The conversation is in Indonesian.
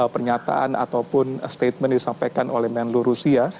pernyataan ataupun statement disampaikan oleh menlu rusia